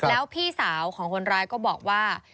แล้วพี่สาวของคนร้ายก็บอกว่า